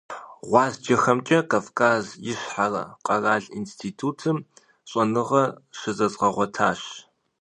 ГъуазджэхэмкӀэ Кавказ Ищхъэрэ къэрал институтым щӀэныгъэ щызэзгъэгъуэтащ.